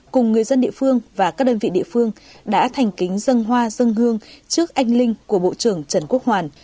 cùng người dân địa phương và các đơn vị địa phương đã thành kính dân hoa dân hương trước anh linh của bộ trưởng trần quốc hoàn